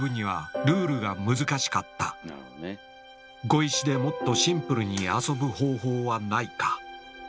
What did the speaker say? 碁石でもっとシンプルに遊ぶ方法はないか。